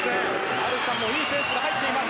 マルシャンもいいペースで入っています。